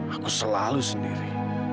aku selalu sendiri